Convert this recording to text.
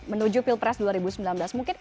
menuju pilpres dua ribu sembilan belas mungkin